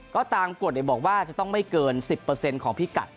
ก็ตามกฎเนี่ยบอกว่าจะต้องไม่เกินสิบเปอร์เซ็นต์ของพิกัด